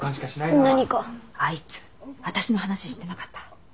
あいつ私の話してなかった？